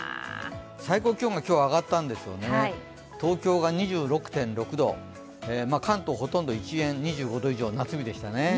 最高気温が今日上がったんですよね、東京が２６．６度、関東ほとんど一円２５度以上、夏日でしたね。